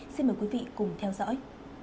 xin mời quý vị cùng theo dõi